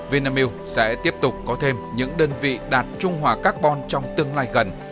vinamilk sẽ tiếp tục có thêm những đơn vị đạt trung hòa carbon trong tương lai gần